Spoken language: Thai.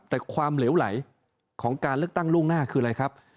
แต่ความเหลวไหลของการเลือกตั้งล่วงหน้าคืออะไรครับ